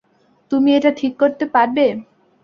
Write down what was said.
Toomaj এটা ঠিক করতে পারবে?